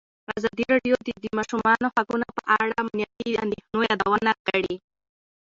ازادي راډیو د د ماشومانو حقونه په اړه د امنیتي اندېښنو یادونه کړې.